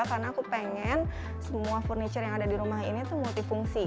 karena aku pengen semua furniture yang ada di rumah ini tuh multifungsi